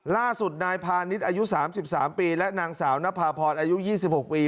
ล่าสุดนายพาณิชย์อายุ๓๓ปีและนางสาวนภาพรอายุ๒๖ปี